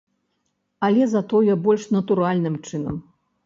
Але затое больш натуральным чынам.